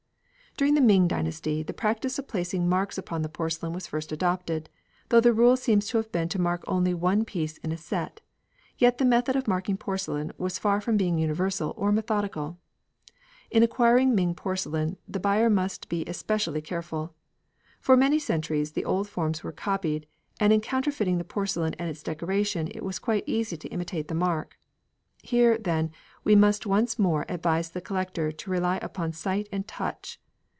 During the Ming dynasty the practice of placing marks upon the porcelain was first adopted, though the rule seems to have been to mark only one piece in a set, yet the method of marking porcelain was far from being universal or methodical. In acquiring Ming porcelain the buyer must be especially careful. For many centuries the old forms were copied, and in counterfeiting the porcelain and decoration it was quite easy to imitate the mark. Here, then, we must once more advise the collector to rely upon sight and touch.